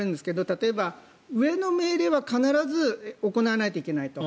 例えば、上の命令は必ず行わないといけないと。